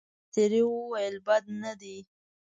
مستري وویل بد نه دي.